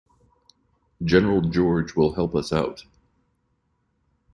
General George will help us out.